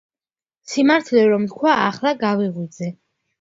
სიმართლე რომ ვთქვა, ახლა გავიღვიძე.